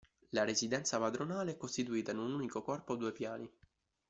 La residenza padronale è costituita in un unico corpo a due piani.